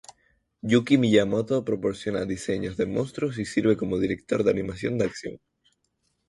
Yuki Miyamoto proporciona diseños de monstruos y sirve como director de animación de acción.